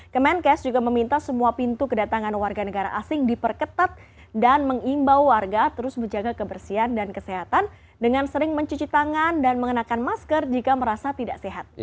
kemenkes juga meminta semua pintu kedatangan warga negara asing diperketat dan mengimbau warga terus menjaga kebersihan dan kesehatan dengan sering mencuci tangan dan mengenakan masker jika merasa tidak sehat